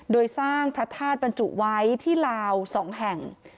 โดยสร้างพระธาตุบรรจุไว้ที่ลาว๒แห่ง